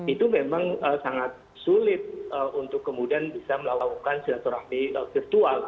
itu memang sangat sulit untuk kemudian bisa melakukan silaturahmi virtual